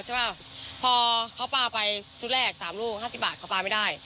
ใช่ป่ะพอเขาปลาไปชุดแรก๓ลูกห้าสิบบาทเขาปลาไม่ได้